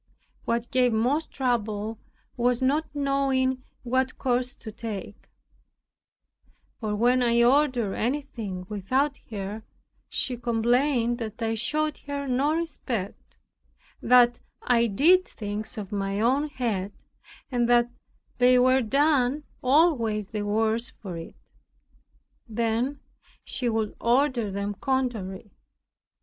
What gave most trouble was the not knowing what course to take; for when I ordered anything without her, she complained that I showed her no respect, that I did things of my own head and that they were done always the worse for it. Then she would order them contrary.